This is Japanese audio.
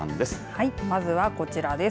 はい、まずはこちらです。